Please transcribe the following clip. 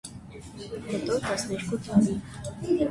-Հետո տասներկու տարի…